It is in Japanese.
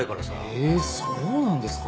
へえそうなんですか。